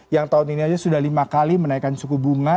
yang tahun ini aja sudah lima kali menaikkan suku bunga